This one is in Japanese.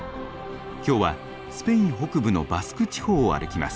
今日はスペイン北部のバスク地方を歩きます。